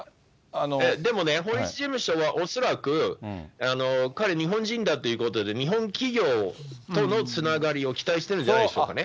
でもね、法律事務所は恐らく、彼、日本人だということで、日本企業とのつながりを期待してるんじゃないでしょうかね。